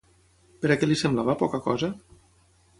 Per a què li semblava poca cosa?